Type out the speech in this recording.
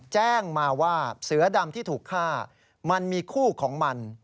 แจ้งมาว่าเสือดำที่ถูกฆ่ามันมีคู่ของมัน